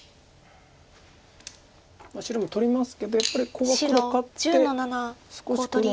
白も取りますけどやっぱりコウは黒勝って少し黒に。